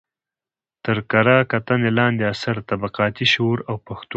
تر کره کتنې لاندې اثر: طبقاتي شعور او پښتو